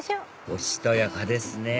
おしとやかですね